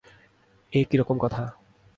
এ কী রকম কথা?